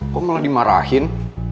kok malah dimarahin